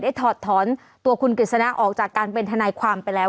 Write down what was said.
ถอดถอนตัวคุณกฤษณะออกจากการเป็นทนายความไปแล้ว